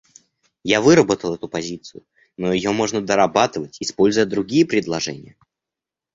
Я выработал эту позицию, но ее можно дорабатывать, используя другие предложения.